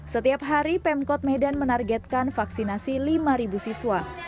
setiap hari pemkot medan menargetkan vaksinasi lima siswa